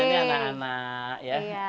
ini anak anak ya